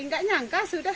nggak nyangka sudah